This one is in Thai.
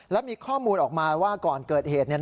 และมีข้อมูลออกมาว่าก่อนเกิดเหตุ